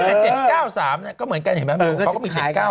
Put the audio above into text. เออเจ็ดเก้าสามเนี่ยก็เหมือนกันเห็นไหมเออเขาก็มีเจ็ดเก้าก่อน